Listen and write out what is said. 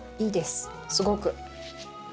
すごく。